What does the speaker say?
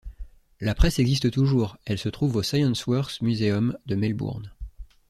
La presse existe toujours, elle se trouve au Scienceworks Museum de Melbourne.